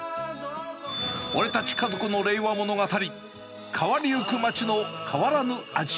俺たち家族の令和物語、変わりゆく街の変わらぬ味。